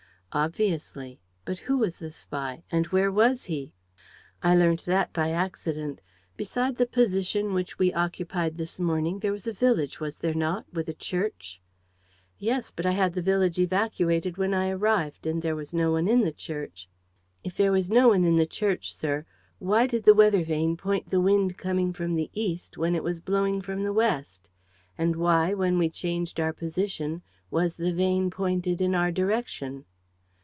"Obviously; but who was the spy and where was he?" "I learnt that by accident. Beside the position which we occupied this morning, there was a village, was there not, with a church?" "Yes, but I had the village evacuated when I arrived; and there was no one in the church." "If there was no one in the church, sir, why did the weather vane point the wind coming from the east, when it was blowing from the west? And why, when we changed our position, was the vane pointed in our direction?"